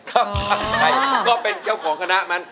เข้าข้างใครก็เป็นเจ้าของคณะมัน